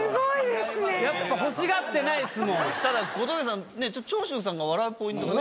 ただ小峠さんね長州さんが笑うポイントがね。